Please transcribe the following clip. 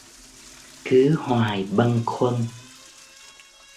Cứ hoài bâng khuâng